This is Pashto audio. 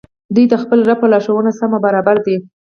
دوى د خپل رب په لارښووني سم او برابر دي